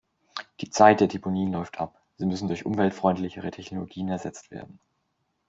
Die Zeit der Deponien läuft ab, sie müssen durch umweltfreundlichere Technologien ersetzt werden.